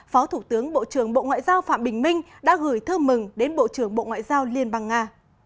phó thủ tướng bộ trưởng bộ ngoại giao phạm bình minh đã gửi thư mừng đến bộ trưởng bộ ngoại giao liên bang nga